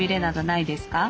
ないです。